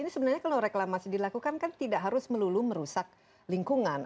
ini sebenarnya kalau reklamasi dilakukan kan tidak harus melulu merusak lingkungan